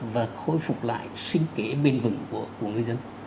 và khôi phục lại sinh kế bên vùng của người dân